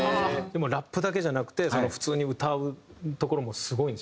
ラップだけじゃなくて普通に歌うところもスゴいんですよね。